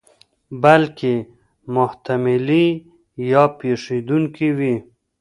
بلکې محتملې یا پېښېدونکې وي.